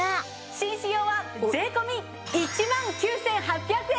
紳士用は税込１万９８００円！